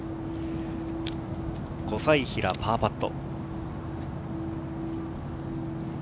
小斉平、パーパット。